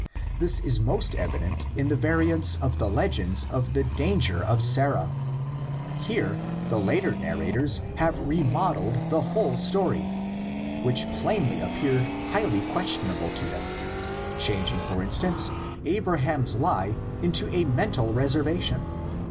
This is most evident in the variants of the legend of the danger of Sarah: here the later narrators have remodeled the whole story, which plainly appeared highly questionable to them, changing, for instance, Abraham's lie into a mental reservation (xx.